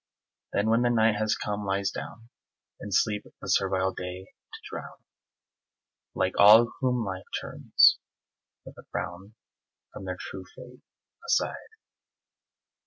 Then when the night has come lies down, In sleep the servile day to drown Like all whom Life turns with a frown From their true fate aside.